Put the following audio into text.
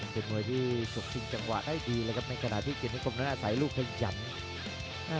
เป็นมวยที่สกชิงจังหวะได้ดีเลยครับในขณะที่เกียรตินิคมนั้นอาศัยลูกขยัน